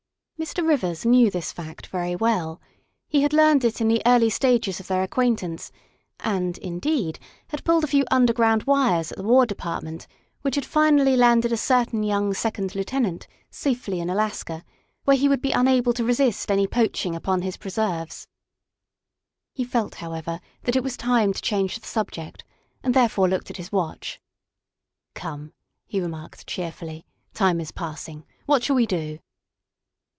'' Mr. Rivers knew this fact very well; he had learned it in the early stages of their acquaintance, and, indeed, had pulled a few underground wires at the War Depart ment which had finally landed a certain young second lieutenant safely in Alaska, where he would be unable to resist any poaching upon his preserves. He felt, however, that it was time to change the subject and therefore looked at his watch. " Come," he remarked cheerfully, " time is passing. What shall we do?"